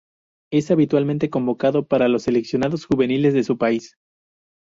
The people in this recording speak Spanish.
Es habitualmente convocado para los seleccionados juveniles de su país.